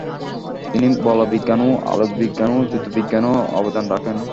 তিনি বলবিজ্ঞান, আলোকবিজ্ঞান ও জ্যোতির্বিজ্ঞানেও অবদান রাখেন।